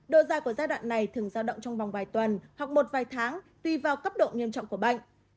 độ da của giai đoạn này thường giao động trong vòng vài tuần hoặc một vài tháng tùy vào cấp độ nghiêm trọng của bệnh